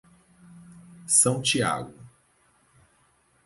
São Tiago